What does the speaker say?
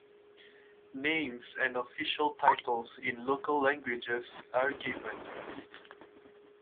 Names and official titles in local languages are given.